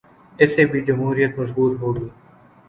اس سے بھی جمہوریت مضبوط ہو گی۔